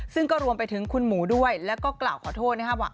ซึ่งก็รวมไปถึงคุณหมูด้วยแล้วก็กล่าวขอโทษนะครับว่า